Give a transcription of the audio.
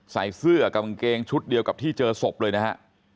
ใส่เสื้อกับกางเกงชุดเดียวกับที่เจอศพเลยนะฮะ